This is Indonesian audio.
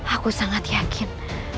aku sangat yakin